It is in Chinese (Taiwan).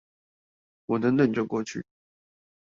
我等等就過去